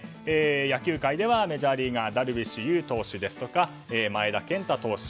野球界ではメジャーリーガーダルビッシュ有選手ですとか前田健太投手。